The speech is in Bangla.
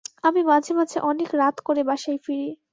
আমি মাঝে-মাঝে অনেক রাত করে বাসায় ফিরি।